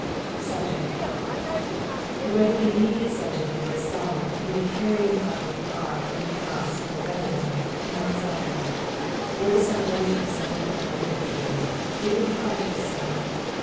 SunjBCT. — Wheilitr the immediaie subject qftkia Psalm be the carrying up of the ark from the house nf Obededom to Moiinl Zion, or the cettbration of some metnorabte victory, it umuld be hind to decide.